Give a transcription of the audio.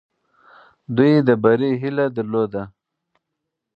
دوی د بري هیله درلودلې.